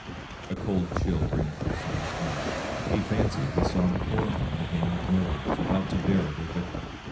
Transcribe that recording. A cold chill ran through Sam's veins. He fancied he saw before him a gang of murderers, about to bury their victim.